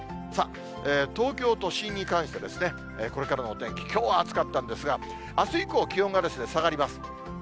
東京都心に関して、これからのお天気、きょうは暑かったんですが、あす以降、気温が下がります。